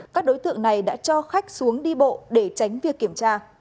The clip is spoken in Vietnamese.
các đối tượng này đã cho khách xuống đi bộ để tránh việc kiểm tra